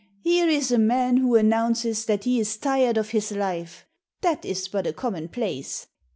* Here is a man who announces that he is tired of his life — ^that is but a commonplace.